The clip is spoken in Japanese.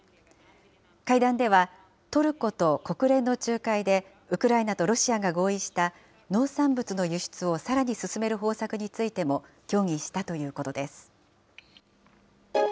会談ではトルコと国連の仲介で、ウクライナとロシアが合意した農産物の輸出をさらに進める方策についても、協議したということです。